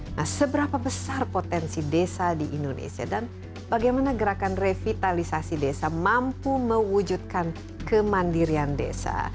nah seberapa besar potensi desa di indonesia dan bagaimana gerakan revitalisasi desa mampu mewujudkan kemandirian desa